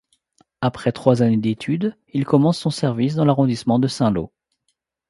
Après trois années d'études, il commence son service dans l'arrondissement de Saint-Lô.